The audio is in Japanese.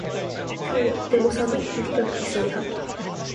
今日はとても寒い。雪が降りそうだ。